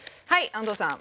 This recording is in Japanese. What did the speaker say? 安藤さん。